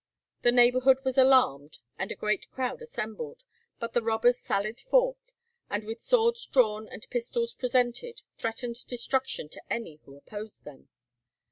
The neighbourhood was alarmed, and a great crowd assembled, but the robbers sallied forth, and with swords drawn and pistols presented, threatened destruction to any who opposed them.